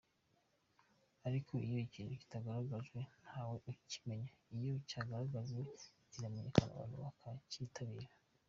Ariko iyo ikintu kitagaragajwe ntawe ukimenya, iyo cyagaragajwe kiramenyekana abantu bakacyitabira.